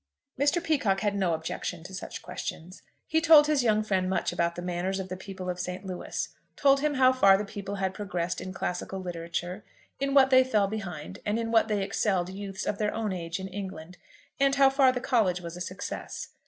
Mr. Peacocke had no objection to such questions. He told his young friend much about the manners of the people of St. Louis, told him how far the people had progressed in classical literature, in what they fell behind, and in what they excelled youths of their own age in England, and how far the college was a success.